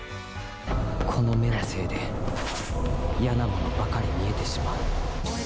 この目のせいで嫌なものばかり視えてしまう。